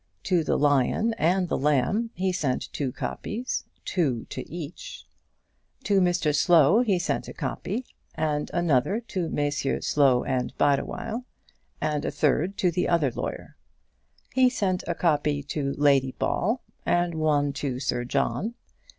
To the lion and the lamb he sent two copies, two to each. To Mr Slow he sent a copy, and another to Messrs Slow and Bideawhile, and a third to the other lawyer. He sent a copy to Lady Ball and one to Sir John.